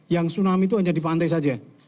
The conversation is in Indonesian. yang tsunami itu hanya di pantai saja